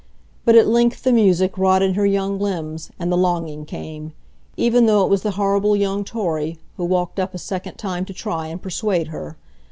But at length the music wrought in her young limbs, and the longing came; even though it was the horrible young Torry, who walked up a second time to try and persuade her.